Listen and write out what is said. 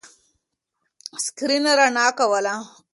سکرین رڼا کوله.